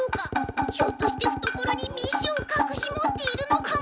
ひょっとしてふところに密書をかくし持っているのかも！